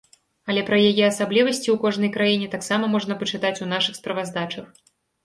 Але пра яе асаблівасці ў кожнай краіне таксама можна пачытаць у нашых справаздачах.